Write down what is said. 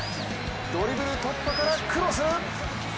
ドリブル突破からのクロス。